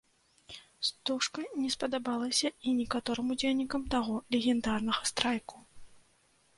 Стужка не спадабалася і некаторым удзельнікам таго легендарнага страйку.